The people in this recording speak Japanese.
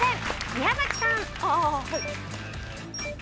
宮崎さん。